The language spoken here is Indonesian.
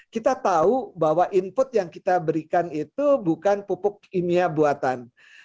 kita tahu bahwa input yang kita berikan itu bukan pupuk kimia buatan